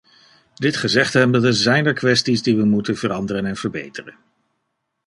Dit gezegd hebbende, zijn er kwesties die we moeten veranderen en verbeteren.